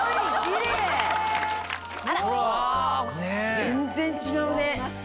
全然違うね。